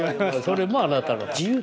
それもあなたの自由。